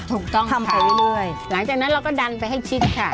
ถูกต้องทำไปเรื่อยหลังจากนั้นเราก็ดันไปให้ชิดค่ะ